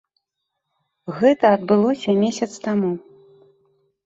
Гэта адбылося месяц таму.